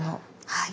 はい。